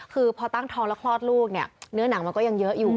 คือพอตั้งท้องแล้วคลอดลูกเนี่ยเนื้อหนังมันก็ยังเยอะอยู่